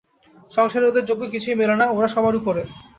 সংসারে ওঁদের যোগ্য কিছুই মেলে না, ওঁরা সবার উপরে।